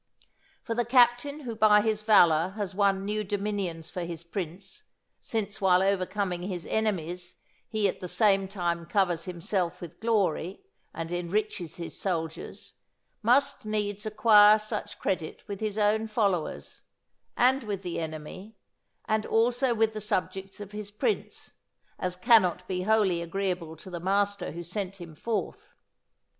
For the captain who by his valour has won new dominions for his prince, since while overcoming his enemies, he at the same time covers himself with glory and enriches his soldiers, must needs acquire such credit with his own followers, and with the enemy, and also with the subjects of his prince, as cannot be wholly agreeable to the master who sent him forth.